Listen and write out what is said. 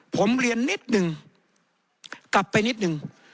ผมเรียนนิดนึงกลับไปนิดนึง